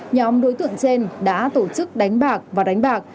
nhóm đối tượng trên đã tổ chức đánh bạc và đánh bạc